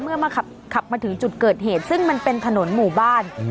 มาขับมาถึงจุดเกิดเหตุซึ่งมันเป็นถนนหมู่บ้าน